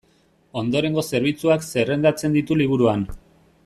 Ondorengo zerbitzuak zerrendatzen ditu liburuan.